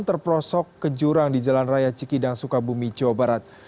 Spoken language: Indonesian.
terprosok ke jurang di jalan raya cikidang sukabumi jawa barat